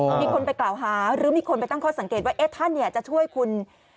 มีคนไปกล่าวหาหรือมีคนไปตั้งข้อสังเกตว่าท่านเนี่ยจะช่วยคุณ